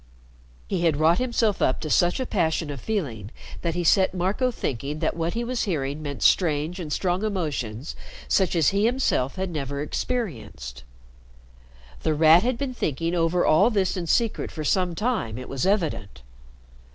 He had wrought himself up to such a passion of feeling that he set Marco thinking that what he was hearing meant strange and strong emotions such as he himself had never experienced. The Rat had been thinking over all this in secret for some time, it was evident.